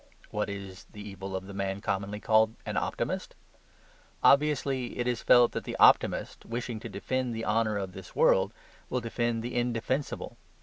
What is the evil of the man commonly called an optimist? Obviously, it is felt that the optimist, wishing to defend the honour of this world, will defend the indefensible.